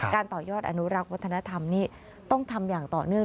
ต่อยอดอนุรักษ์วัฒนธรรมนี่ต้องทำอย่างต่อเนื่อง